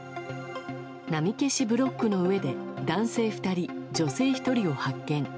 波消しブロックの上で男性２人、女性１人を発見。